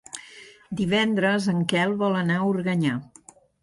Divendres en Quel vol anar a Organyà.